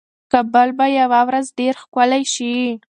کابل به یوه ورځ ډېر ښکلی شي.